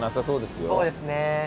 そうですね。